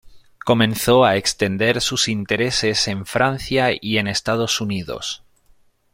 Comenzó a extender sus intereses en Francia y en Estados Unidos.